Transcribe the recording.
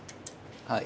はい。